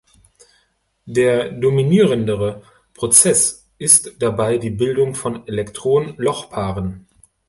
Der dominierende Prozess ist dabei die Bildung von Elektron-Loch-Paaren.